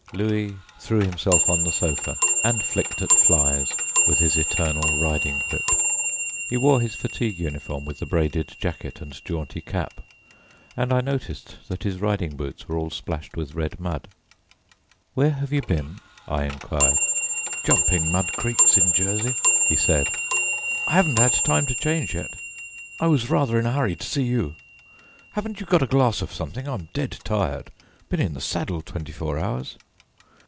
Louis threw himself on the sofa and flicked at flies with his eternal riding whip. He wore his fatigue uniform with the braided jacket and jaunty cap, and I noticed that his riding boots were all splashed with red mud. "Where have you been?" I inquired. "Jumping mud creeks in Jersey," he said. "I haven't had time to change yet; I was rather in a hurry to see you. Haven't you got a glass of something? I'm dead tired; been in the saddle twenty four hours."